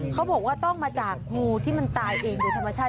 เขาบอกว่าต้องมาจากงูที่มันตายเองโดยธรรมชาติ